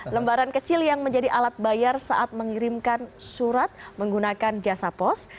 lembaran kecil yang menjadi alat bayar saat mengirimkan surat menggunakan jasa pos